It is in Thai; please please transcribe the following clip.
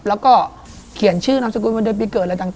แล้วก็เขียนชื่อนำสกุล